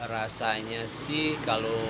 rasanya sih kalau